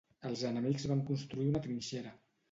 Els enemics van construir una trinxera